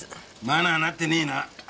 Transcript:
マナーなってねえな。